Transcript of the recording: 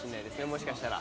もしかしたら。